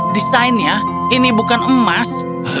desainnya ini bukan emas